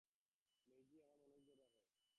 মেইজি, তার মনোযোগ ধরে রাখো।